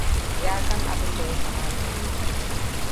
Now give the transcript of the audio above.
Ya san abin da ya kamata ya yi.